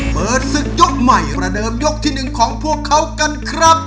เปิดศึกยกใหม่ระเดิมยกที่๑ของพวกเขากันครับ